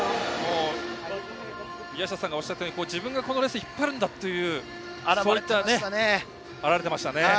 宮下さんがおっしゃったように自分がこのレースを引っ張っていくということが表れていましたね。